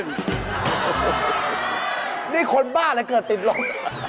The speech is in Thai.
นี่คนบ้าได้เกิดติดหลง